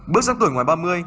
bước sang tuổi ngoài ba mươi